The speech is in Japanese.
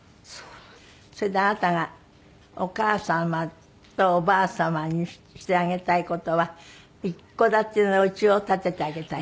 それであなたがお母様とおばあ様にしてあげたい事は一戸建てのお家を建ててあげたい？